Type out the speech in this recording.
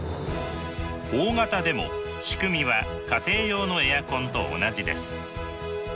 大型でもしくみは家庭用のエアコンと同じです。